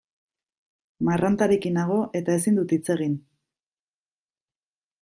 Marrantarekin nago eta ezin dut hitz egin.